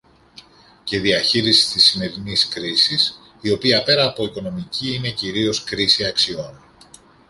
και διαχείρισης της σημερινής κρίσης, η οποία πέρα από οικονομική είναι κυρίως κρίση αξιών.